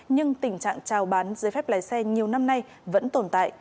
nhưng tình trạng trao bán giấy phép lái xe nhiều năm nay vẫn tồn tại